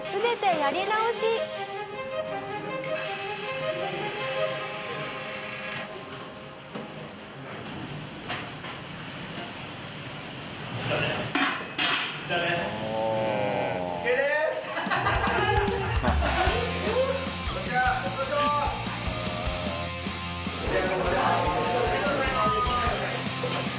ありがとうございます。